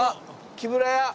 木村屋だ。